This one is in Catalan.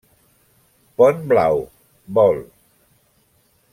Pont Blau, vol.